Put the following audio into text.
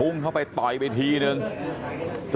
ลูกสาวหลายครั้งแล้วว่าไม่ได้คุยกับแจ๊บเลยลองฟังนะคะ